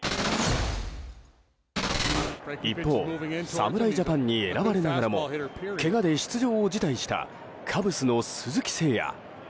一方侍ジャパンに選ばれながらもけがで出場を辞退したカブスの鈴木誠也。